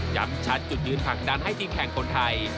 ชัดจุดยืนผลักดันให้ทีมแข่งคนไทย